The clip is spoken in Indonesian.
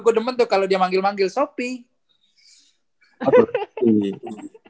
gue demen tuh kalau dia manggil manggil shopee